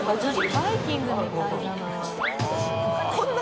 バイキングみたいだな。